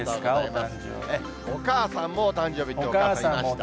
お母さんもお誕生日ってお母さんいましたね。